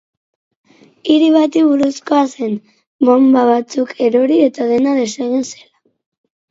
Hiri bati buruzkoa zen, bonba batzuk erori eta dena desegin zela.